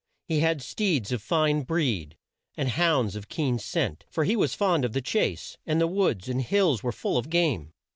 He had steeds of fine breed, and hounds of keen scent, for he was fond of the chase, and the woods and hills were full of game.